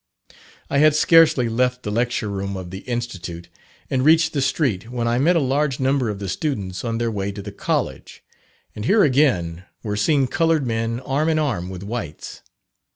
I had scarcely left the lecture room of the Institute and reached the street, when I met a large number of the students on their way to the college, and here again were seen coloured men arm in arm with whites.